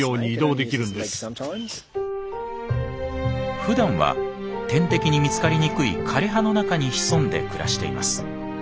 ふだんは天敵に見つかりにくい枯れ葉の中に潜んで暮らしています。